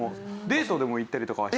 デートでも行ったりとかは。